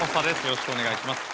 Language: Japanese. よろしくお願いします。